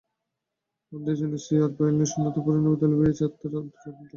Andres Iniesta আর পাউলিনহোর শূন্যতা পূরণে দলে ভিড়িয়েছে আর্থার আর আর্তুরো ভিদালকে।